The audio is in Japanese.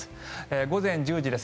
午前１０時です。